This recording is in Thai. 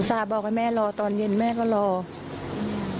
อุตส่าห์บอกไว้แม่รอตอนเย็นแม่ก็ลอง